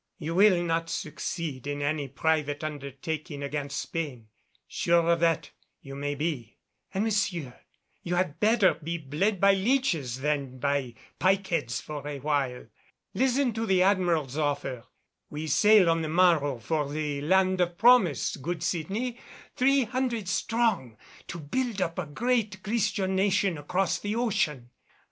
You will not succeed in any private undertaking against Spain, sure of that you may be. And, monsieur, you had better be bled by leeches than by pike heads for awhile. Listen to the Admiral's offer. We sail on the morrow for the land of promise, good Sydney, three hundred strong, to build up a great Christian nation across the ocean.